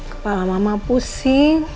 kepala mama pusing